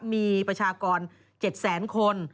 มีประชากร๗แสนคน